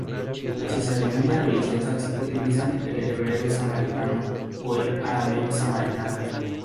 Para sus ceremonias religiosas utilizan el hebreo samaritano o el arameo samaritano.